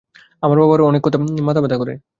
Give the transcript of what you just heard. আমার বাবার অনেক মাথা ব্যথা করে।